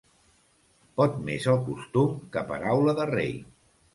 Pot més el costum que paraula de rei.